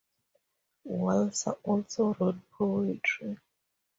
Walser also wrote poetry.